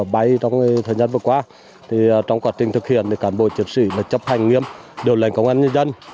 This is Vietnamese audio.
bay trong thời gian vừa qua trong quá trình thực hiện cán bộ chiến sĩ chấp hành nghiêm điều lệnh công an nhân dân